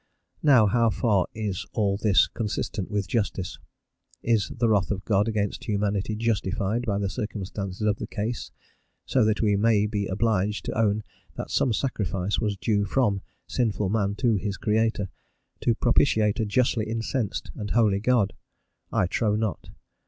Now, how far is all this consistent with justice? Is the wrath of God against humanity justified by the circumstances of the case, so that we may be obliged to own that some sacrifice was due from sinful man to his Creator, to propitiate a justly incensed and holy God? I trow not.